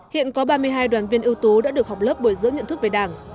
hiện có ba mươi hai đoàn viên ưu tú đã được học lớp bồi dưỡng nhận thức về đảng